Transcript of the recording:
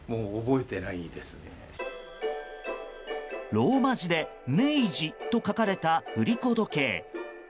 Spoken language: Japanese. ローマ字で「ＭＥＩＪＩ」と書かれた振り子時計。